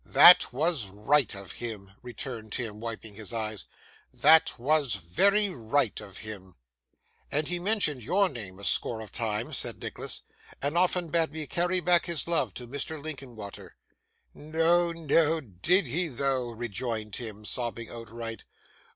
'That was right of him,' returned Tim, wiping his eyes; 'that was very right of him.' 'And he mentioned your name a score of times,' said Nicholas, 'and often bade me carry back his love to Mr. Linkinwater.' 'No, no, did he though?' rejoined Tim, sobbing outright.